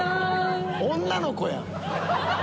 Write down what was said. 女の子やん。